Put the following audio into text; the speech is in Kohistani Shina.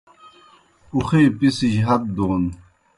اُخے پسِجیْ ہت دون